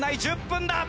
１０分だ。